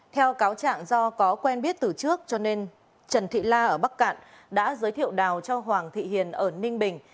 theo cáo trạng do có quen biết từ trước cho nên trần thị la ở bắc cạn đã giới thiệu đào cho hoàng thị hiền ở ninh bình